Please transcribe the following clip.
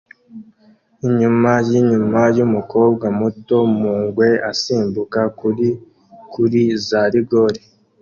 Inyuma yinyuma yumukobwa muto mu ngwe asimbuka kuri kuri za rigore